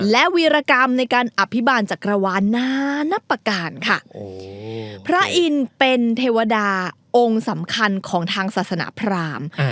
และวีรกรรมในการอภิบาลจักรวาลนานับประการค่ะพระอินทร์เป็นเทวดาองค์สำคัญของทางศาสนาพราม